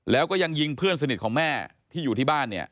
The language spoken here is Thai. แล้วก็ยังยิงเพื่อนสนิทของแม่ที่อยู่ที่บ้านเนี่ย